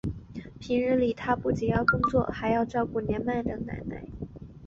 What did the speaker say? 平日里他不仅要工作还要照顾年迈的奶奶。